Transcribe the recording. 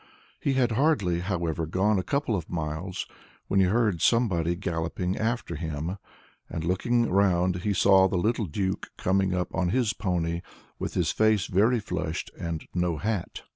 He had hardly, however, gone a couple of miles, when he heard somebody galloping after him, and, looking round, saw the little Duke coming up on his pony, with his face very flushed, and no hat.